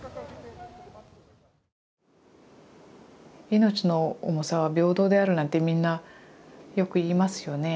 命の重さは平等であるなんてみんなよく言いますよね。